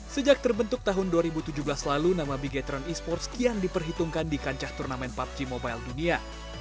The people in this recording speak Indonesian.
sejak terbentuk tahun dua ribu tujuh belas lalu nama beachtron e sports kian diperhitungkan di kancah turnamen pubg mobile dunia